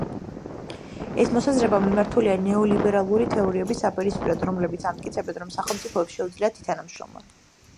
ეს მოსაზრება მიმართულია ნეოლიბერალური თეორიების საპირისპიროდ, რომელებიც ამტკიცებენ, რომ სახელმწიფოებს შეუძლიათ ითანამშრომლონ.